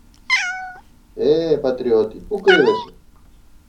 Ε, πατριώτη! πού κρύβεσαι;